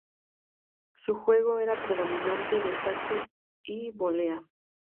Su juego era predominantemente de saque y volea.